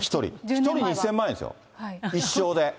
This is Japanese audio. １人２０００万円ですよ、１勝で。